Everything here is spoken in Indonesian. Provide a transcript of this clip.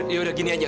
ya udah gini aja